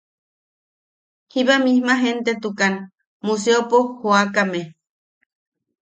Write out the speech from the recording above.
Jiba misma gentetukan Museo joakamea.